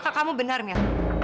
kakak kamu benarnya